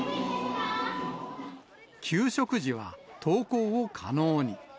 給食時は登校を可能に。